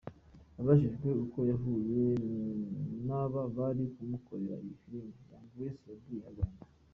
Abajijwe uko yahuye n'aba bari kumukorera iyi filime, Young Grace yabwiye Inyarwanda.